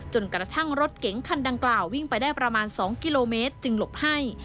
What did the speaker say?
จนกระทั่งรถเก๋งคันดังกล่าววิ่งไปได้ประมาณ๒กิโลเมตรจึงหลบให้